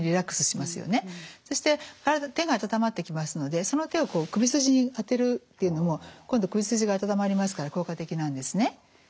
そして手が温まってきますのでその手を首筋に当てるっていうのも今度首筋が温まりますから効果的なんですね。